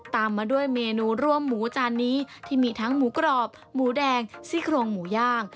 ตามมาด้วยเมนูร่วมหมูจานนี้ที่มีทั้งหมูกรอบหมูแดงซี่โครงหมูย่าง